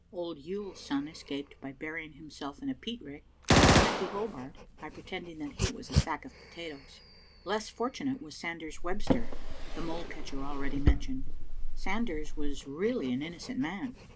Old Yuill's son escaped by burying himself in a peat rick, and Snecky Hobart by pretending that he was a sack of potatoes. Less fortunate was Sanders Webster, the mole catcher already mentioned. Sanders was really an innocent man.